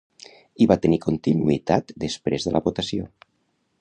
I va tenir continuïtat després de la votació.